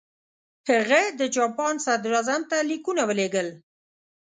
هغه د جاپان صدراعظم ته لیکونه ولېږل.